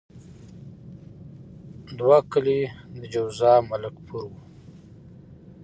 دوه کلي د جوزه او ملک پور وو.